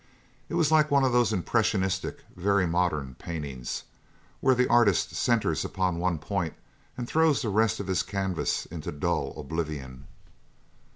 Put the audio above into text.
It was like one of those impressionistic, very modern paintings, where the artist centres upon one point and throws the rest of his canvas into dull oblivion.